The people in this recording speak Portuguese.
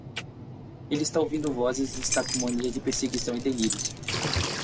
Ele está ouvindo vozes e está com mania de perseguição e delírios